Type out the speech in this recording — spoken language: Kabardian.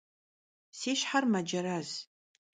Si şher mecerez.